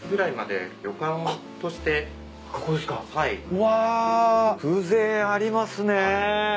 うわ風情ありますね。